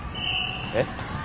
えっ？